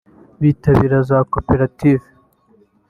bitabira za koperative